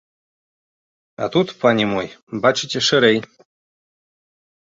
А тут, пане мой, бачыце, шырэй.